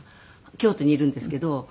京都にいるんですけど。